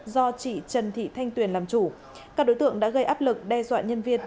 do chị trần thị thanh tuyền làm chủ các đối tượng đã gây áp lực đe dọa nhân viên